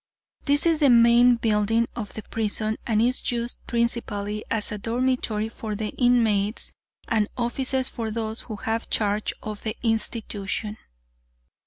This is the main building of the prison, and is used principally as a dormitory for the inmates and offices for those who have charge of the institution.